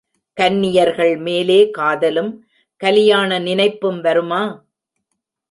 கன்னியர்கள் மேலே காதலும், கலியாண நினைப்பும் வருமா?